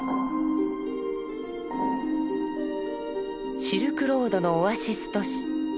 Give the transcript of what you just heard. シルクロードのオアシス都市敦煌。